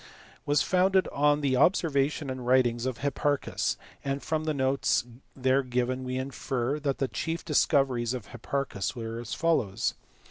97, 98), was founded on the observations and writings of Hipparchus, and from the notes there given we infer that the chief discoveries of Hipparchus were as follows.